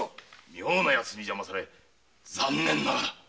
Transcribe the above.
妙なヤツに邪魔され残念ながら。